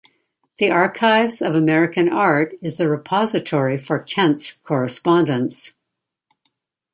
The Archives of American Art is the repository for Kent's correspondence.